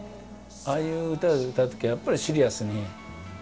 ああいう歌を歌う時はやっぱりシリアスに。